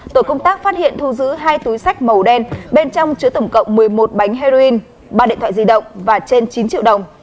tổ công tác phát hiện thu giữ hai túi sách màu đen bên trong chứa tổng cộng một mươi một bánh heroin ba điện thoại di động và trên chín triệu đồng